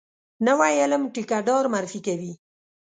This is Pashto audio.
نوی علم ټیکه دار معرفي کوي.